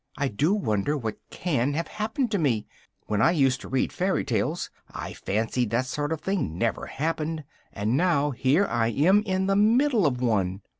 I do wonder what can have happened to me! When I used to read fairy tales, I fancied that sort of thing never happened, and now here I am in the middle of one!